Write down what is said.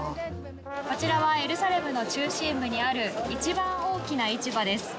こちらはエルサレムの中心部にある一番大きな市場です。